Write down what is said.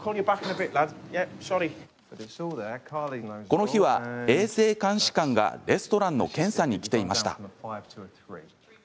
この日は、衛生監視官がレストランの検査に来ていました。